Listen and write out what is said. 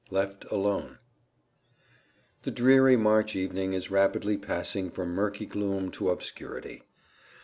Left Alone The dreary March evening is rapidly passing from murky gloom to obscurity.